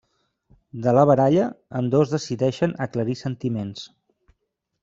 De la baralla, ambdós decideixen aclarir sentiments.